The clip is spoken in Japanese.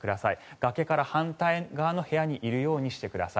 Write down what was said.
崖から反対側の部屋にいるようにしてください。